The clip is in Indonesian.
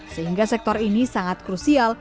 sehingga sektor ini sangat krusial